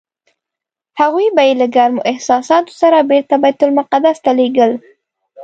هغوی به یې له ګرمو احساساتو سره بېرته بیت المقدس ته لېږل.